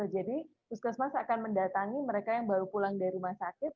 jadi puskesmas akan mendatangi mereka yang baru pulang dari rumah sakit